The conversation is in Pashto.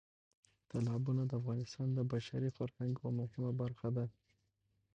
تالابونه د افغانستان د بشري فرهنګ یوه مهمه برخه ده.